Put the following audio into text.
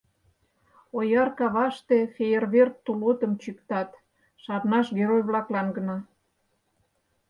Ояр каваште фейерверк-тулотым Чӱктат шарнаш герой-влаклан гына.